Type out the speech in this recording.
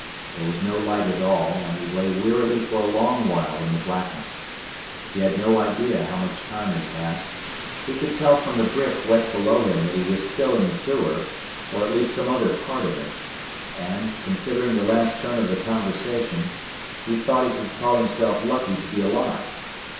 There was no light at all and he lay wearily for a long while in the blackness. He had no idea how much time had passed. He could tell from the brick wet below him that he was still in the sewer, or at least some other part of it, and, considering the last turn of the conversation, he thought he could call himself lucky to be alive.